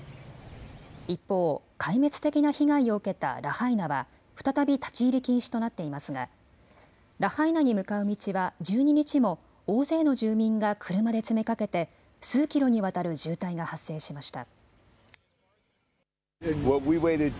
一方、壊滅的な被害を受けたラハイナは再び立ち入り禁止となっていますがラハイナに向かう道は１２日も大勢の住民が車で詰めかけて数キロにわたる渋滞が発生しました。